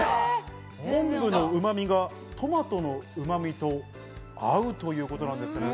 昆布のうまみがトマトのうまみと合うということなんです。